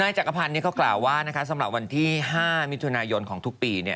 จักรพันธ์เขากล่าวว่าสำหรับวันที่๕มิถุนายนของทุกปี